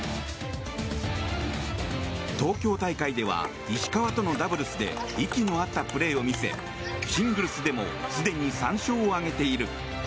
東京大会では石川とのダブルスで息の合ったプレーを見せシングルスでもすでに３勝を挙げている。